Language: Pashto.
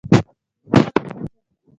زما په کچه